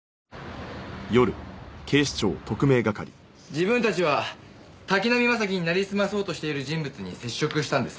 自分たちは滝浪正輝になりすまそうとしている人物に接触したんです。